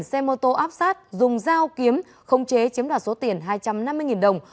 xe mô tô áp sát dùng dao kiếm không chế chiếm đoạt số tiền hai trăm năm mươi đồng